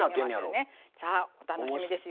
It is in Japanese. さあお楽しみですよ。